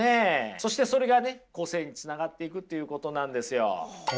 そしてそれがね個性につながっていくっていうことなんですよ。